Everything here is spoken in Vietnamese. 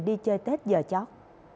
đi chơi tết giờ chót